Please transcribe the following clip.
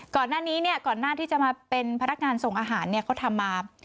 ก่อนหน้านี้เนี่ยก่อนหน้าที่จะมาเป็นพนักงานส่งอาหารเนี่ยเขาทำมา